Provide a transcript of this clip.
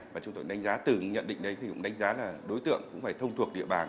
và chúng tôi đánh giá từ nhận định đấy thì cũng đánh giá là đối tượng cũng phải thông thuộc địa bàn